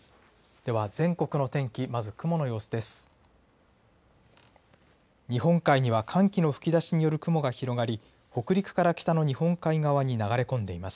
では、全国の天気、まず雲の様子です。